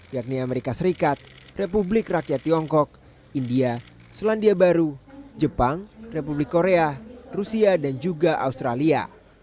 yakni amerika serikat republik rakyat tiongkok india selandia baru jepang republik korea rusia dan juga australia